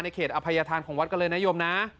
ในเขตอภัยธานของวัดกะเลนายมนะ